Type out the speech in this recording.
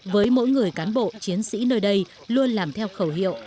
với mỗi người cán bộ chiến sĩ nơi đây luôn làm theo khẩu hiệu